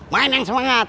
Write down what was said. main yang semangat